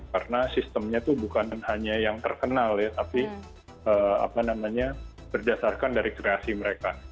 karena sistemnya tuh bukan hanya yang terkenal ya tapi berdasarkan dari kreasi mereka